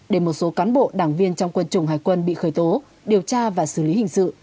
để một số cán bộ đảng viên trong quân chủng hải quân bị khởi tố điều tra và xử lý hình sự